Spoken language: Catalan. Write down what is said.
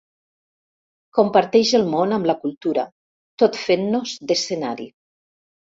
Comparteix el món amb la cultura, tot fent-nos d'escenari.